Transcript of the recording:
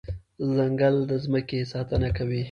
ځنګل د ځمکې ساتنه کوي.